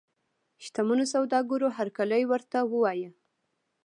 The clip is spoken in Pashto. شته منو سوداګرو هرکلی ورته ووایه.